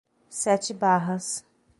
Sete Barras